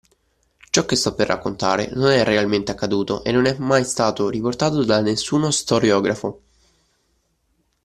Ciò che sto per raccontare non è realmente accaduto e non è mai stato riportato da nessuno storiografo.